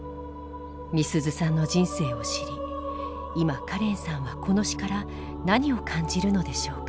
みすゞさんの人生を知り今カレンさんはこの詩から何を感じるのでしょうか？